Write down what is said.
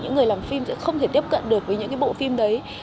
những người làm phim sẽ không thể tiếp cận được với những cái bộ phim đấy